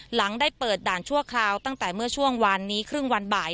หลังได้เปิดด่านชั่วคราวตั้งแต่เมื่อช่วงวานนี้ครึ่งวันบ่าย